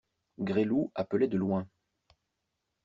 Gresloup appelait de loin.